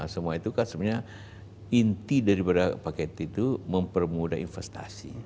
semua itu kan sebenarnya inti daripada paket itu mempermudah investasi